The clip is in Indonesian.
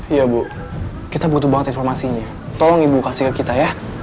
iya bu kita butuh banget informasinya tolong ibu kasih ke kita ya